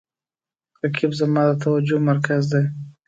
رقیب زما د توجه مرکز دی